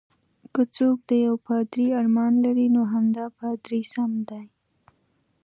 که څوک د یو پادري ارمان لري، نو همدا پادري سم دی.